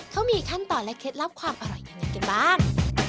เขามีขั้นตอนและเคล็ดลับความอร่อยยังไงกันบ้าง